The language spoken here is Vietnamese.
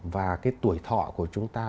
và cái tuổi thọ của chúng ta